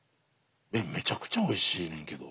めちゃくちゃおいしいねんけど。